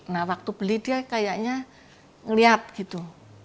nah waktu beli dia kayaknya ngelihat gitu